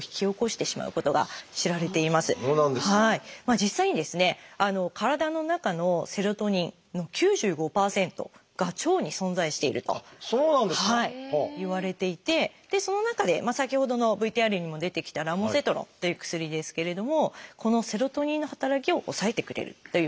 実際にですね体の中のセロトニンの９５％が腸に存在しているといわれていてその中で先ほどのＶＴＲにも出てきたラモセトロンという薬ですけれどもこのセロトニンの働きを抑えてくれるというものです。